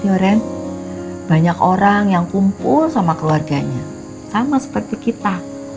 joren banyak orang yang kumpul sama keluarganya sama seperti kita